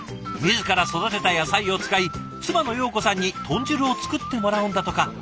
自ら育てた野菜を使い妻の陽子さんに豚汁を作ってもらうんだとか。